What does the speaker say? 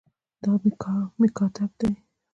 دا مېکتاب ده